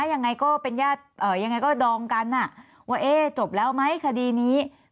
ยังไงก็เป็นญาติยังไงก็ดองกันว่าจบแล้วไหมคดีนี้